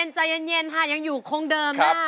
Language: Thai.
ใจเย็นอย่างอยู่คงเดิมนะฮะ